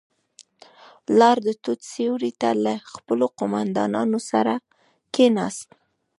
لاړ، د توت سيورې ته له خپلو قوماندانانو سره کېناست.